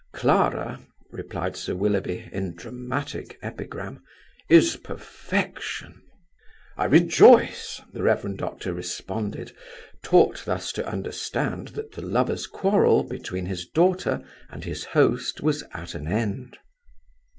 "Clara," replied Sir Willoughby, in dramatic epigram, "is perfection." "I rejoice," the Rev. Doctor responded; taught thus to understand that the lovers' quarrel between his daughter and his host was at an end.